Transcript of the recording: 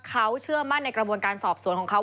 เขาเชื่อมั่นในกระบวนการสอบสวนของเขา